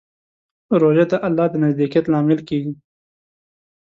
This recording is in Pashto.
روژه د الله د نزدېکت لامل کېږي.